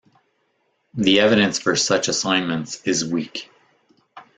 The evidence for such assignments is weak.